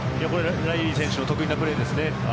ライリー選手の得意なプレーです。